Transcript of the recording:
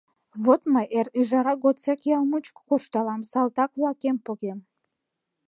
Вот мый эр ӱжара годсек ял мучко куржталам, салтак-влакем погем.